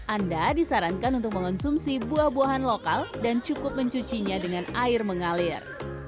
anda disarankan untuk mengonsumsi buah buahan lokal dan cukup mencucinya dengan air mengalir